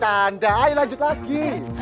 candai lanjut lagi